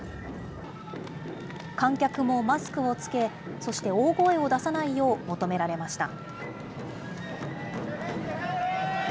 観客もマスクを着け、そして大声を出さないよう求められました。